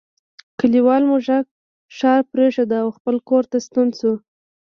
کلیوال موږک ښار پریښود او خپل کور ته ستون شو.